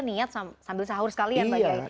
niat sambil sahur sekalian